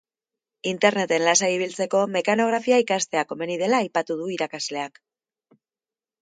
Interneten lasai ibiltzeko mekanografia ikastea komeni dela aipatu du irakasleak.